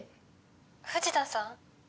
「藤田さん？」